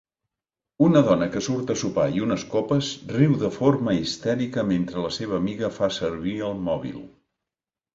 Una dona que surt a sopar i unes copes riu de forma histèrica mentre la seva amiga fa servir el mòbil.